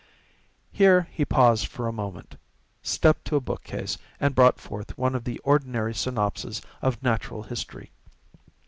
He here paused for a moment, stepped to a book case, and brought forth one of the ordinary synopses of Natural History.